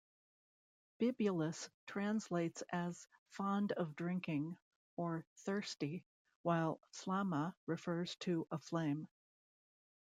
"Bibulus" translates as "fond of drinking", or "thirsty", while "Flamma" refers to a flame.